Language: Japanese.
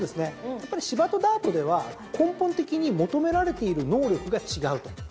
芝とダートでは根本的に求められている能力が違うと。